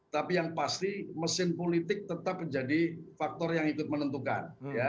tapi yang pasti mesin politik tetap menjadi faktor yang ikut menentukan